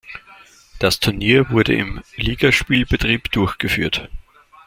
Das Turnier wurde im Ligaspielbetrieb durchgeführt.